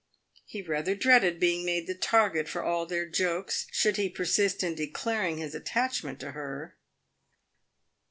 He rather dreaded being made the target for all their jokes should he persist in declaring his attach ment to her.